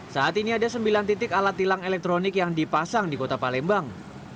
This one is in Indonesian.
saat ini ada sembilan titik alat tilang elektronik yang dipasang di kota palembang